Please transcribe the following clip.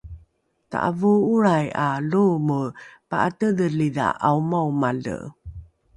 talavoo’olrai ’a loomo pa’atedhelidha ’aomaomale